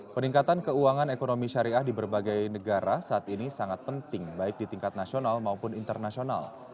peningkatan keuangan ekonomi syariah di berbagai negara saat ini sangat penting baik di tingkat nasional maupun internasional